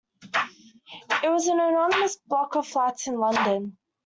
It was an anonymous block of flats in London